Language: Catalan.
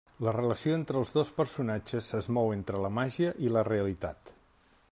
La relació entre els dos personatges es mou entre la màgia i la realitat.